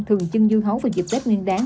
thường chưng dư hấu vào dịp tết nguyên đáng